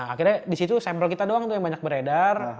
akhirnya disitu sampel kita doang tuh yang banyak beredar